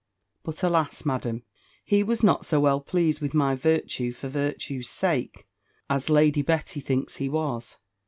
But, alas! Madam, he was not so well pleased with my virtue for virtue's sake, as Lady Betty thinks he was.